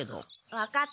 わかった。